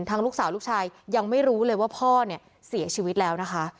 ลูกสาวลูกชายยังไม่รู้เลยว่าพ่อเนี่ยเสียชีวิตแล้วนะคะ